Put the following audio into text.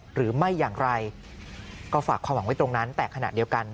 หรือไม่อย่างไรก็ฝากความหวังไว้ตรงนั้นแต่ขณะเดียวกัน